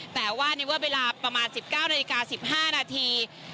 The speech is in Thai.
แต่ว่าเวลาประมาณ๑๙นาฬิกา๑๕นาที